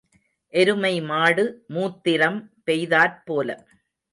எருமை மாடு மூத்திரம் பெய்தாற் போல.